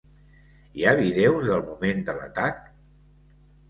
Hi ha vídeos del moment de l’atac?